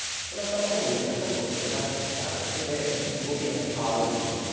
背中の方の意識がちょっと手助けしてあるだけで動きがやっぱり変わるんですね。